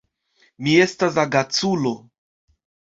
Mi estas agaculo.